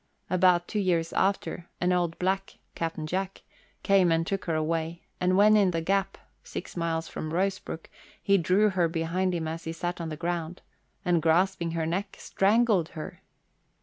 About two years after, an old black (Captain Jack) came and took her away, and when in the Gap, six miles from Rosebrook, he drew her behind him as he sat on the ground, and grasping her neck strangled her.